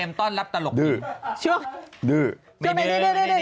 มักข้าวเยี่ยมมากเลย